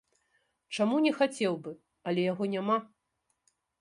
Чаму не хацеў бы, але яго няма.